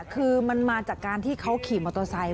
คือมันมาจากการที่เขาขี่มอเตอร์ไซค์